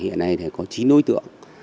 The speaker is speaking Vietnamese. hiện nay có chín đối tượng